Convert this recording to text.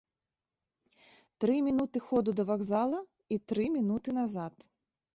Тры мінуты ходу да вакзала і тры мінуты назад.